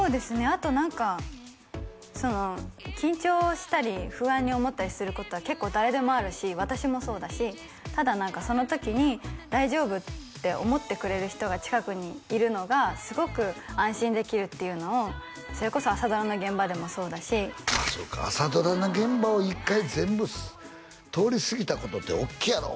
あと何か緊張したり不安に思ったりすることは結構誰でもあるし私もそうだしただその時に「大丈夫」って思ってくれる人が近くにいるのがすごく安心できるっていうのをそれこそ朝ドラの現場でもそうだしああそうか朝ドラの現場を一回全部通り過ぎたことっておっきいやろ？